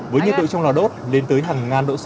với nhiệt độ trong lò đốt lên tới hàng ngàn độ c